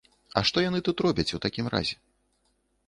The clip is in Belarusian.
А што яны тут робяць у такім разе?